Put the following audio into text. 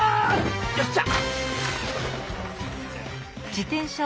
よっしゃ！